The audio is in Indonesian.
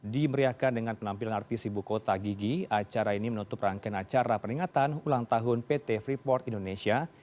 dimeriahkan dengan penampilan artis ibu kota gigi acara ini menutup rangkaian acara peringatan ulang tahun pt freeport indonesia